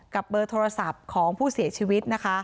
กับเบอร์โทรศัพท์ของผู้เสียชีวิต